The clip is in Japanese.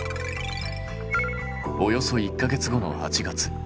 およそ１か月後の８月。